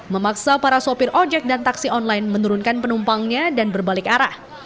memaksa para sopir ojek dan taksi online menurunkan penumpangnya dan berbalik arah